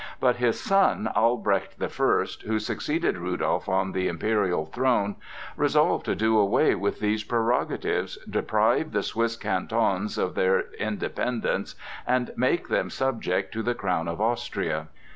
But his son Albrecht the First, who succeeded Rudolph on the imperial throne, resolved to do away with these prerogatives, deprive the Swiss Cantons of their independence, and make them subject to the crown of Austria.